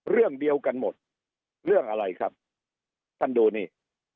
เรื่องเดียวกันหมดเรื่องอะไรครับท่านดูนี่